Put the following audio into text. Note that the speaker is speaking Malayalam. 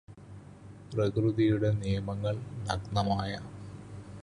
പ്രകൃതിയുടെ നിയമങ്ങള് നഗ്നമായ